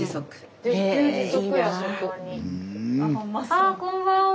あこんばんは。